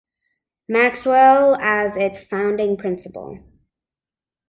Maxwell as its founding principal.